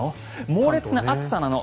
猛烈な暑さなの？